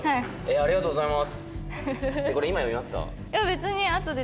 ありがとうございます。